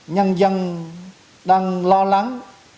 nhân dân đang lo lắng